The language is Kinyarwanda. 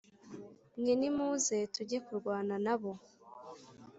Mwe nimuze tujye kurwana na bo